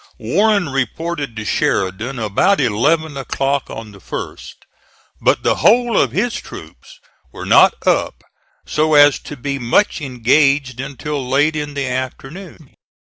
Warren reported to Sheridan about 11 o'clock on the 1st, but the whole of his troops were not up so as to be much engaged until late in the afternoon.